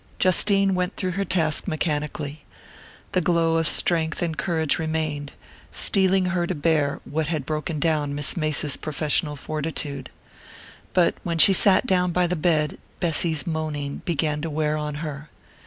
Justine went through her task mechanically. The glow of strength and courage remained, steeling her to bear what had broken down Miss Mace's professional fortitude. But when she sat down by the bed Bessy's moaning began to wear on her.